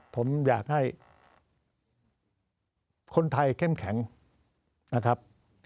ผมอยากให้คนไทยเข้มแข็งนะครับ